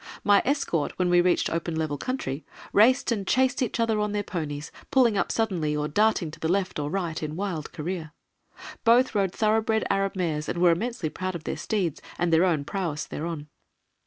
My escort, when we reached open level country, raced and chased each other on their ponies, pulling up suddenly, or darting to the right or left in wild career. Both rode thoroughbred Arab mares and were immensely proud of their steeds, and their own prowess thereon.